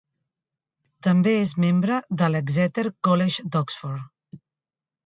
També és membre de l'Exeter College d'Oxford.